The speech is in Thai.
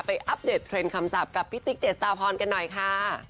ไปอัปเดตเทรนด์คำสับกับพี่ติ๊กเจ็ดสตาร์พรกันหน่อยค่ะ